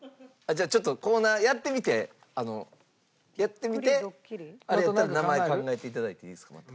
じゃあちょっとコーナーやってみてやってみてあれやったら名前考えて頂いていいですか？